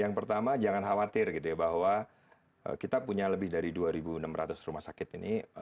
yang pertama jangan khawatir gitu ya bahwa kita punya lebih dari dua enam ratus rumah sakit ini